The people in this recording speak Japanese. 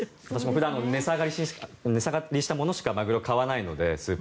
普段値下がりしたものしかマグロを買わないので。